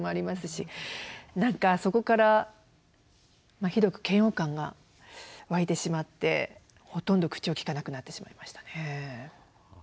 何かそこからひどく嫌悪感が湧いてしまってほとんど口をきかなくなってしまいましたね。